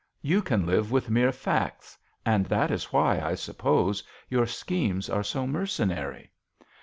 You can live with mere facts, and that is why, I suppose, your schemes are so mercenary.